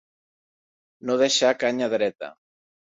No deixar canya dreta.